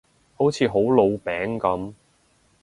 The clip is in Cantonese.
好似好老餅噉